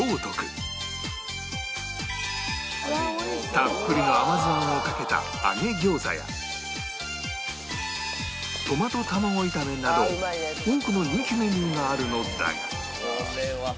たっぷりの甘酢あんをかけた揚げ餃子やトマト玉子炒めなど多くの人気メニューがあるのだが